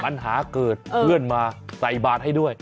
ปัญหาเกิดเพื่อนมาใส่บาทให้ด้วย